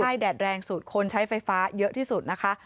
ใช่แดดแรงสุดคนใช้ไฟฟ้าเยอะที่สุดนะคะ